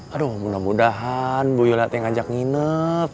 aduh mudah mudahan boyola yang ngajak nginep